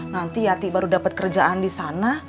nanti yati baru dapet kerjaan disana